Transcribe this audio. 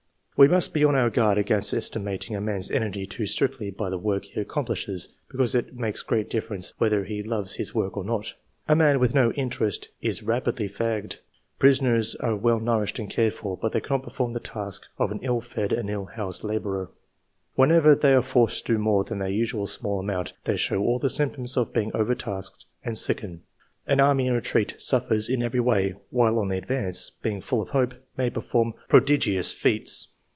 We must be on our guard against estimating a man's energy too strictly by the work he accom plishes, because it makes great difference whether he loves his work or not. A man with no interest is rapidly fagged. Prisoners are well nourished and cared for, but they cannot perform the task of an ill fed and ill housed labourer. Whenever they are forced to do more than their usual small II.] QUALITIES. 77 amount they show all the symptoms of being overtasked, and sicken. An army in retreat suffers in every way, while one in the advance, being full of hope, may perform prodigious feats.